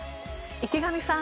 池上さん